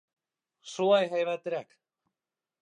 Шулай һәйбәтерәк.